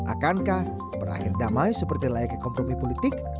akankah berakhir damai seperti layaknya kompromi politik